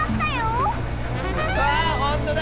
わあほんとだ！